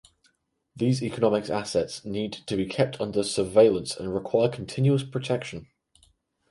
These economic assets need to be kept under surveillance and require continuous protection.